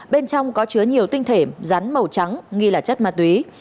bên trong có chứa nhiều tinh thể rắn màu trắng nghi là chất ma túy